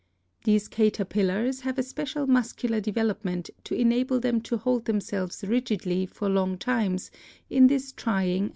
These caterpillars have a special muscular development to enable them to hold themselves rigidly for long times in this trying atti Fig.